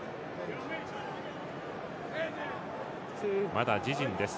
まだ自陣です。